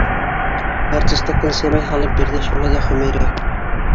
Ярты эстәкән сәмәй һалып бирҙе шулай ҙа Хөмәйрә.